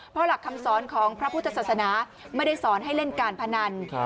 เพราะหลักคำสอนของพระพุทธศาสนาไม่ได้สอนให้เล่นการพนัน